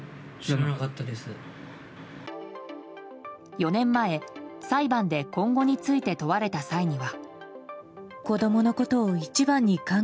４年前、裁判で今後について問われた際には。